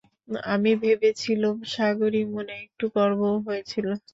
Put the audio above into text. আমি ভেবেছিলুম সাগরী, মনে একটু গর্বও হয়েছিল।